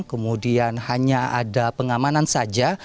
kemudian hanya ada pengamanan saja